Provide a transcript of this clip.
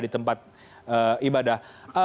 di tempat ibadah